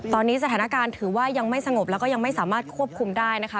ตอนนี้สถานการณ์ถือว่ายังไม่สงบแล้วก็ยังไม่สามารถควบคุมได้นะคะ